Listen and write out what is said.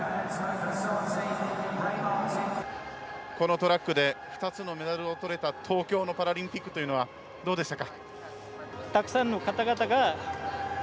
このトラックで２つのメダルを取れた東京パラリンピックはどうでしたか。